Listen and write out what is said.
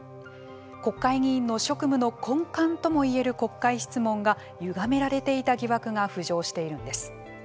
国会議員の職務の根幹とも言える国会質問がゆがめられていた疑惑が浮上しているんです。